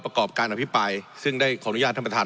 ประกอบการอภิปรายซึ่งได้ขออนุญาตท่านประธาน